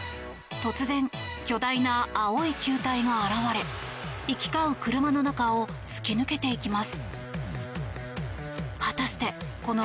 突然、巨大な青い球体が現れ行き交う車の中を突き抜けていきます。